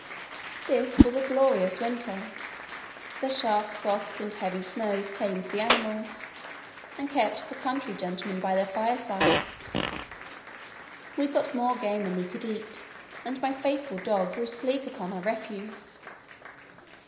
This was a glorious winter. The sharp frost and heavy snows tamed the animals, and kept the country gentlemen by their firesides; we got more game than we could eat, and my faithful dog grew sleek upon our refuse.